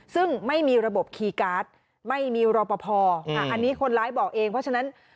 ซึ่งไม่มีระบบคีย์การ์ดไม่มีรอปภอันนี้คนร้ายบอกเองเพราะฉะนั้น